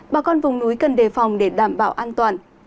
bà con vùng núi cần đề phòng để đảm bảo an toàn